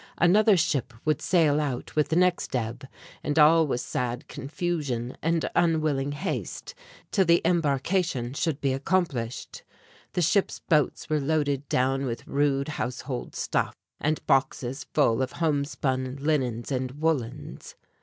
Another ship would sail out with the next ebb, and all was sad confusion and unwilling haste till the embarkation should be accomplished. The ship's boats were loaded down with rude household stuff, and boxes full of homespun linens and woollens.